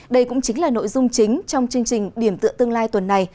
đây cũng chính là nội dung chính trong chương trình điểm tựa tương lai tuần này